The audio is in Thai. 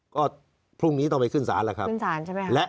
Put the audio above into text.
ก็พรุ่งนี้ต้องไปขึ้นศาลแล้วครับขึ้นศาลใช่ไหมครับ